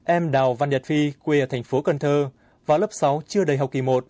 em đào văn điệt phi quê ở thành phố cần thơ vào lớp sáu chưa đầy học kỳ một